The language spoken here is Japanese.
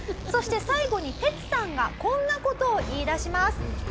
そして最後にテツさんがこんな事を言い出します。